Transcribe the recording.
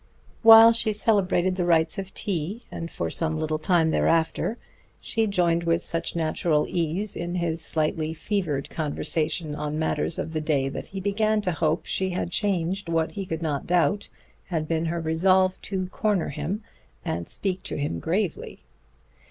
While she celebrated the rites of tea, and for some little time thereafter, she joined with such natural ease in his slightly fevered conversation on matters of the day that he began to hope she had changed what he could not doubt had been her resolve, to corner him and speak to him gravely.